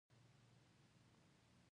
دغه سړى پېژنې.